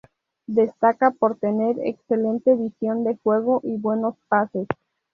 Destaca por tener excelente visión de juego y buenos pases.